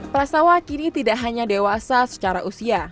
pras tawa kini tidak hanya dewasa secara usia